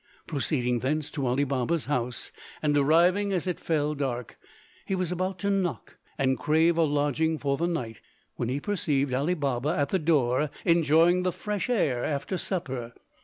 Proceeding thence to Ali Baba's house, and arriving as it fell dark, he was about to knock and crave a lodging for the night, when he perceived Ali Baba at the door enjoying the fresh air after supper.